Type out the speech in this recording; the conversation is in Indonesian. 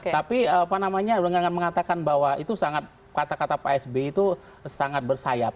tapi apa namanya dengan mengatakan bahwa itu sangat kata kata pak sby itu sangat bersayap